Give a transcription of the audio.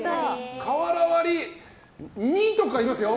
瓦割り、２とかいますよ。